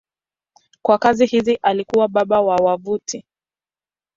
Kwa kazi hizi alikuwa baba wa wavuti.